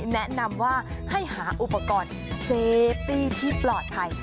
แนะนำว่าให้หาอุปกรณ์เซฟตี้ที่ปลอดภัย